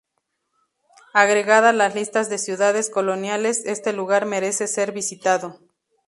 Agregada a las listas de ciudades coloniales este lugar merece ser visitado.